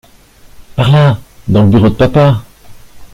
Par là ! dans le bureau de papa !